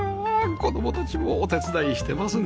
子供たちもお手伝いしてますね